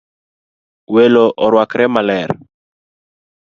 Welo orwakore maler